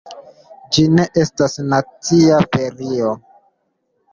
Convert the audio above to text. Ĝi ne estas nacia ferio.